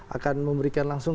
akan memberikan langsung